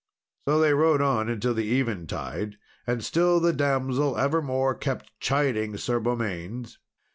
So they rode on until the eventide, and still the damsel evermore kept chiding Sir Beaumains.